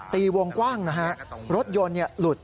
ตีวงกว้างนะฮะรถยนต์หลุด